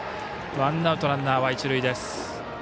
ワンアウト、ランナーは一塁です。